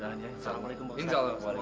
tak akan kisa buat kembali